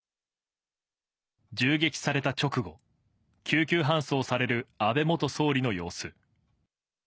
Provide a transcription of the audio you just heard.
銃撃された直後、救急搬送される安倍元総理の様子。